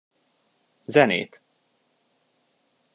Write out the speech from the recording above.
Zenét!